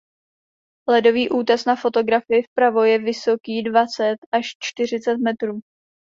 Ledový útes na fotografii vpravo je vysoký dvacet až čtyřicet metrů.